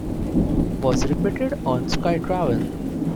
Was repeated on Sky Travel.